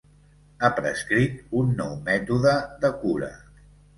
Ha prescrit un nou mètode de cura.